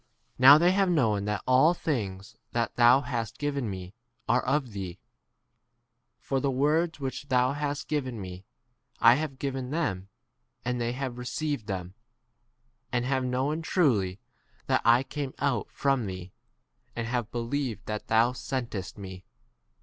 Now they have known that all things that thou 8 hast given me are of thee ; for the words f which thou hast given me I haye given them, and they * have received [them], and have known truly that I came out from thee, and have believed that thou * sent 9 est me.